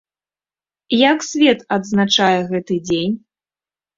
Як свет адзначае гэты дзень?